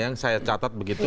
yang saya catat begitu